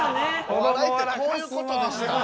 お笑いってこういうことでした。